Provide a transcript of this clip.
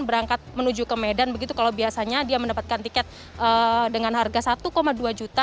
berangkat menuju ke medan begitu kalau biasanya dia mendapatkan tiket dengan harga satu dua juta